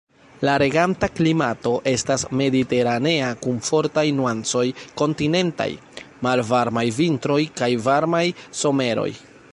La reganta klimato estas mediteranea kun fortaj nuancoj kontinentaj; malvarmaj vintroj kaj varmaj someroj.